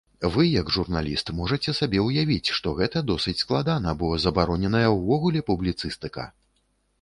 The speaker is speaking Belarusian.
Вы, як журналіст, можаце сабе ўявіць, што гэта досыць складана, бо забароненая ўвогуле публіцыстыка!